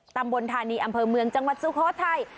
ตำบลธานีอำเภอเมืองจังหวัดสุโขทัย